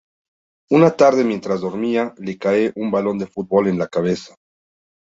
Una tarde, mientras dormía, le cae un balón de fútbol en la cabeza.